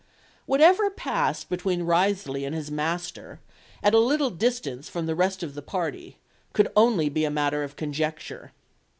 What passed between Wriothesley and his master, at a little distance from the rest of the party, could only be matter of conjecture.